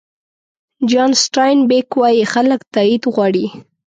جان سټاین بېک وایي خلک تایید غواړي.